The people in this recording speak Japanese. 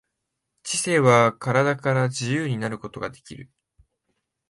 知性は身体から自由になることができる。